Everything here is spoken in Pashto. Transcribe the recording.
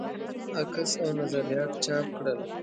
عکس او نظریات چاپ کړل.